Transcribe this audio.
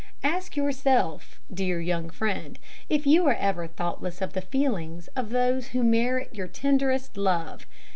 Ask yourself, dear young friend, if you are ever thoughtless of the feelings of those who merit your tenderest love.